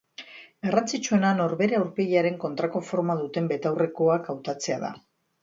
Garrantzitsuena norbere aurpegiaren kontrako forma duten betaurrekoak hautatzea da.